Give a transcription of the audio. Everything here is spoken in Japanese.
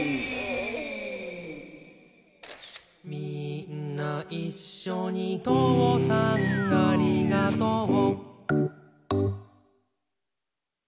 「みーんないっしょにとうさんありがとう」